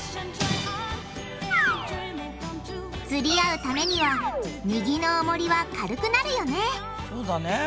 つり合うためには右のおもりは軽くなるよねそうだね。